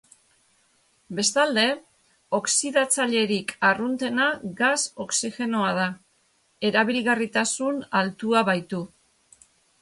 Bestalde, oxidatzailerik arruntena gas-oxigenoa da, erabilgarritasun altua baitu.